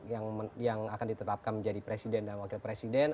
yang akan ditetapkan menjadi presiden dan wakil presiden